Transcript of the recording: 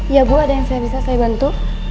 ya bu ada yang saya bisa saya bantu